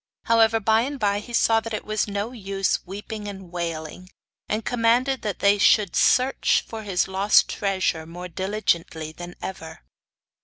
However, by and by he saw that it was no use weeping and wailing, and commanded that they should search for his lost treasure more diligently than ever.